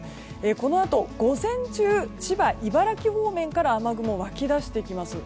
このあと午前中千葉、茨城方面から雨雲が湧き出してきます。